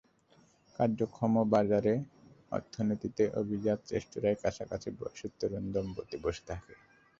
কার্যক্ষম বাজার অর্থনীতিতে অভিজাত রেস্তোরাঁয় কাছাকাছি বয়সের তরুণ দম্পতি বসে থাকে।